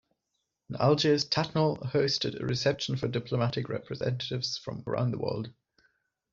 In Algiers, "Tattnall" hosted a reception for diplomatic representatives from around the world.